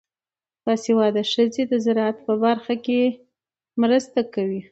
باسواده ښځې د زراعت په برخه کې مرسته کوي.